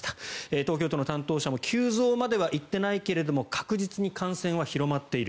東京都の担当者も急増まではいってないけれど確実に感染は広まっている。